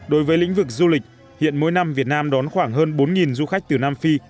đối với lĩnh vực du lịch hiện mỗi năm việt nam đón khoảng hơn bốn du khách từ nam phi